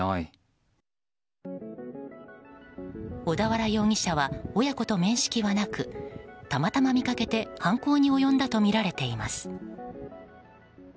小田原容疑者は親子と面識はなくたまたま見かけて犯行に及んだとみられています。